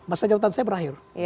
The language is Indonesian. masa jawatan saya berakhir